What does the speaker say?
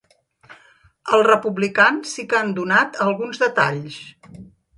Els republicans sí que han donat alguns detalls.